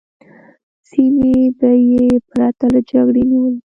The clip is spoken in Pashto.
سیمې به یې پرته له جګړې نیولې.